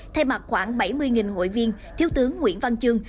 thay mặt khoảng bảy mươi hội viên thiếu tướng nguyễn văn chương